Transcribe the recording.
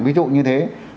ví dụ như thế